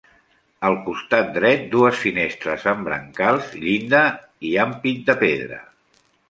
Al costat dret, dues finestres amb brancals, llinda i ampit de pedra.